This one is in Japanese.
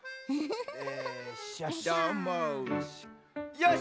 よし！